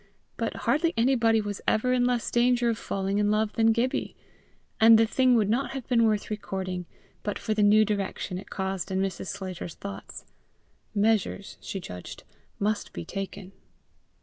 But hardly anybody was ever in less danger of falling in love than Gibbie; and the thing would not have been worth recording, but for the new direction it caused in Mrs. Sclater's thoughts: measures, she judged, must be taken.